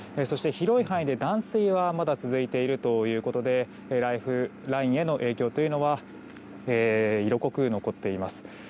そして広い範囲で断水がまだ続いているということでライフラインへの影響というのは色濃く残っています。